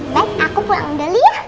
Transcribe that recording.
baik aku pulang dulu ya